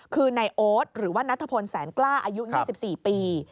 คือนายโอ๊ตหรือว่านัทพลแสนกล้าอายุ๒๔ปี